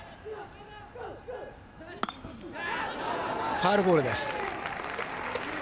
ファウルボールです。